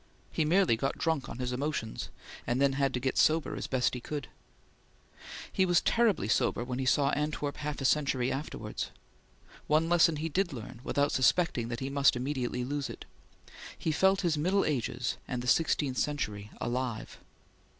He merely got drunk on his emotions, and had then to get sober as he best could. He was terribly sober when he saw Antwerp half a century afterwards. One lesson he did learn without suspecting that he must immediately lose it. He felt his middle ages and the sixteenth century alive.